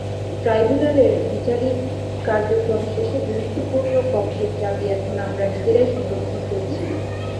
ট্রাইব্যুনালের বিচারিক কার্যক্রম শেষে গুরুত্বপূর্ণ কক্ষের চাবি এখন আমরা নিজেরাই সংরক্ষণ করছি।